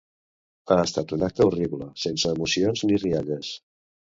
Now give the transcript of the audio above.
Ha estat un acte horrible, sense emocions ni rialles.